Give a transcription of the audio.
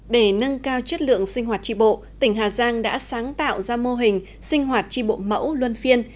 để nâng cao chất lượng sinh hoạt tri bộ tỉnh hà giang đã sáng tạo ra mô hình sinh hoạt tri bộ mẫu luân phiên